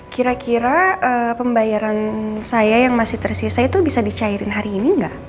kira kira pembayaran saya yang masih tersisa itu bisa dicairin hari ini nggak